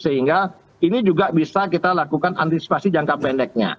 sehingga ini juga bisa kita lakukan antisipasi jangka pendeknya